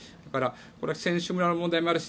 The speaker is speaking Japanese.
これは選手村の問題もあるし